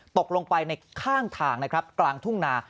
ตกลงไปในข้างทางกลางทุ่งนา